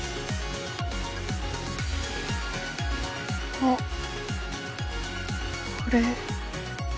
あっこれ。